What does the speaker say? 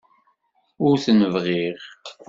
Ur ten-bɣiɣ.